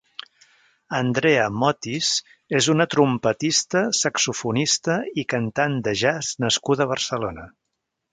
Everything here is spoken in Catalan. Andrea Motis és una trompetista, saxofonista i cantant de jazz nascuda a Barcelona.